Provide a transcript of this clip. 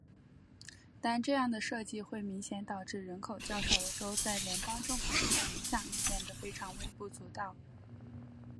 但这样的设计会明显导致人口较少的州在联邦政府中的影响力变得非常微不足道。